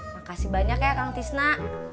makasih banyak ya kang tisna